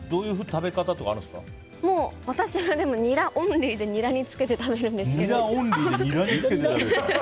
私はニラオンリーでニラにつけて食べるんですけど。